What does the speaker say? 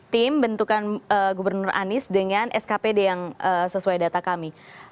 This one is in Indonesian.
tim bentukan gubernur anies dengan skpd yang sesuai data kami